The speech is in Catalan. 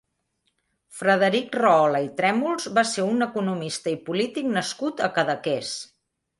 Frederic Rahola i Trèmols va ser un economista i polític nascut a Cadaqués.